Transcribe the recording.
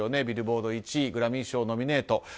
ビルボード１位グラミー賞ノミネート